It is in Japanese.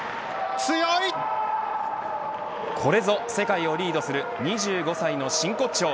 これぞ世界をリードする２５歳の真骨頂。